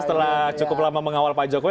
setelah cukup lama mengawal pak jokowi